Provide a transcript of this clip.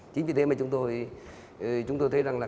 chính vì thế mà chúng tôi thấy rằng là